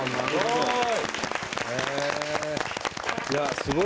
すごい。